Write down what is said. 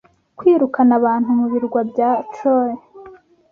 Kwirukana abantu mu birwa bya Troy